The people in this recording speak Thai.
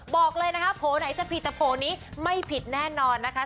บอกเลยนะคะโผล่ไหนจะผิดแต่โผล่นี้ไม่ผิดแน่นอนนะคะ